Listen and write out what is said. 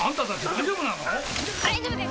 大丈夫です